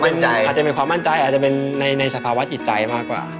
อาจจะมีความมั่นใจอาจจะเป็นในสภาวะจิตใจมากกว่า